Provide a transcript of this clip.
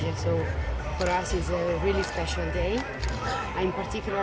jadi untuk kami ini adalah hari yang sangat istimewa